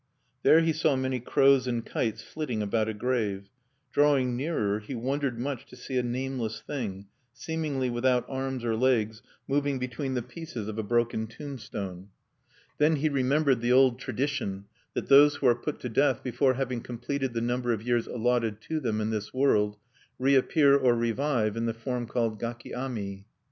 There he saw many crows and kites flitting about a grave. Drawing nearer, he wondered much to see a nameless thing, seemingly without arms or legs, moving between the pieces of a broken tombstone. Then he remembered the old tradition, that those who are put to death before having completed the number of years allotted to them in this world reappear or revive in the form called gaki ami.